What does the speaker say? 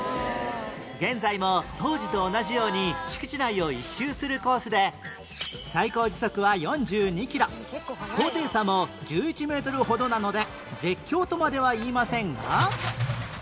現在も当時と同じように敷地内を１周するコースで最高時速は４２キロ高低差も１１メートルほどなので絶叫とまでは言いませんが